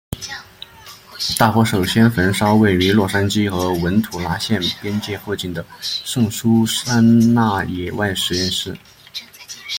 大火首先焚烧位于洛杉矶和文图拉县边界附近的圣苏珊娜野外实验室。